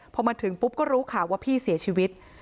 พอมาถึงปุ๊บก็รู้ข่าวว่าพี่เสียชีวิต